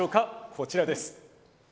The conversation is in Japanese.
こちらです。